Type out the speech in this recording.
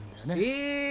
え！